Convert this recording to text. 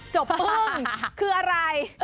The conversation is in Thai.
จบปึ้งคืออะไร